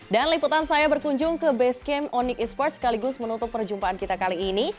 dan liputan saya berkunjung ke basecamp onyx e sports sekaligus menutup perjumpaan kita kali ini